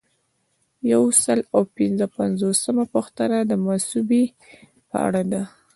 یو سل او پنځه پنځوسمه پوښتنه د مصوبې په اړه ده.